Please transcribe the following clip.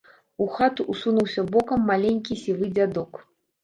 У хату ўсунуўся бокам маленькі сівы дзядок.